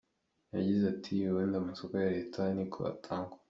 Yagize ati “Ubundi amasoko ya Leta ni ko atangwa.